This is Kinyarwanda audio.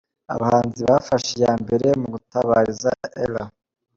Abahanzi bafashe iya mbere mu gutabariza Ella.